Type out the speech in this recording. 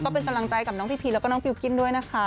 เป็นกำลังใจกับน้องพีพีแล้วก็น้องฟิลกิ้นด้วยนะคะ